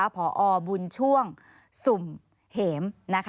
พอบุญช่วงสุ่มเหม